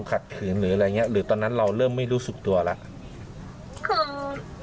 ขัดขืนหรืออะไรอย่างเงี้หรือตอนนั้นเราเริ่มไม่รู้สึกตัวแล้วคือ